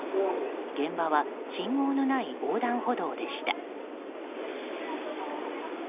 現場は信号のない横断歩道でした。